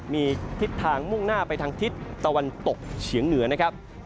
มีทิศทางมุ่งหน้าไปทางทิศตะวันตกเฉียงเหนือนะครับ